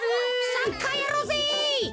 サッカーやろうぜ！